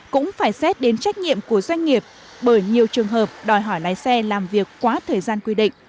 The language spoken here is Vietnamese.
cũng phải xét đến trách nhiệm của doanh nghiệp bởi nhiều trường hợp đòi hỏi lái xe làm việc quá thời gian quy định